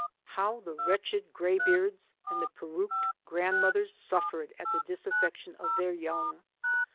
How the wretched graybeards and peruqued grandmothers suffered at the disaffection of their young!